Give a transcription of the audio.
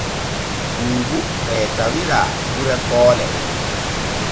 Buubu e tawira gure Koole.